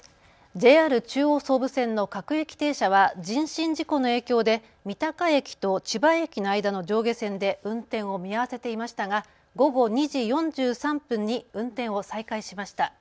ＪＲ中央・総武線の各駅停車は人身事故の影響で三鷹駅と千葉駅の間の上下線で運転を見合わせていましたが午後２時４３分に運転を再開しました。